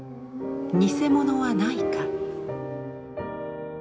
偽物はないか。